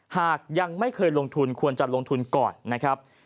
หากยังไม่เคยลงทุนควรจะลงทุนก่อนนะครับ